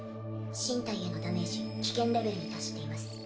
身体へのダメージ危険レベルに達しています。